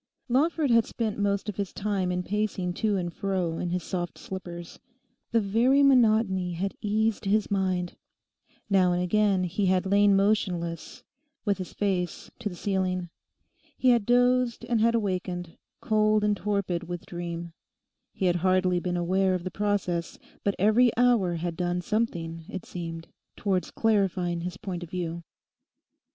Lawford had spent most of his time in pacing to and fro in his soft slippers. The very monotony had eased his mind. Now and again he had lain motionless, with his face to the ceiling. He had dozed and had awakened, cold and torpid with dream. He had hardly been aware of the process, but every hour had done something, it seemed, towards clarifying his point of view.